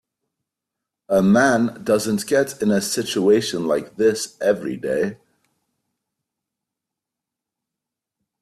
A man doesn't get in a situation like this every day.